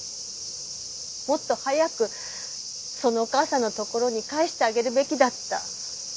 もっと早くそのお母さんのところに返してあげるべきだった。